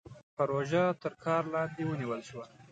پروژه تر کار لاندې ونيول شوه.